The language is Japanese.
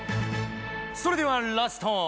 それではラスト。